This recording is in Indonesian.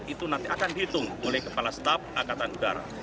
empat ratus empat puluh empat itu nanti akan dihitung oleh kepala staf angkatan udara